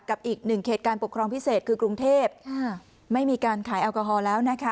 อีกหนึ่งเขตการปกครองพิเศษคือกรุงเทพไม่มีการขายแอลกอฮอล์แล้วนะคะ